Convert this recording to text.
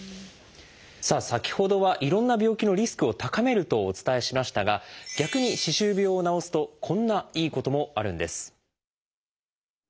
さあ先ほどはいろんな病気のリスクを高めるとお伝えしましたが逆に歯周病を治すとこんないいこともあるんです。